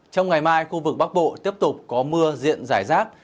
trong ngày mai khu vực bắc bộ tiếp tục có mưa diện giải rác